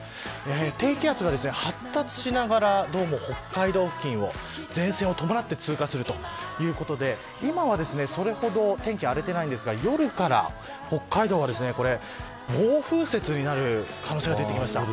低気圧が発達しながらどうも、北海道付近を前線を伴って通過するということで今はそれほど天気荒れていないんですが夜から北海道は暴風雪になる可能性が出てきました。